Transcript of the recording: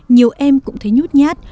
nhiều em cũng thấy nhút nhát